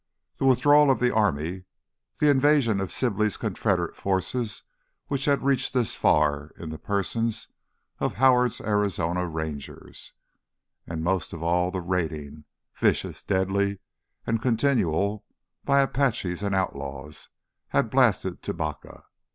The withdrawal of the army, the invasion of Sibley's Confederate forces which had reached this far in the persons of Howard's Arizona Rangers—and most of all the raiding, vicious, deadly, and continual, by Apaches and outlaws—had blasted Tubacca.